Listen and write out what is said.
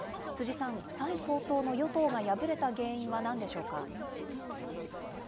逵さん、蔡総統の与党が敗れた原因はなんでしょうか。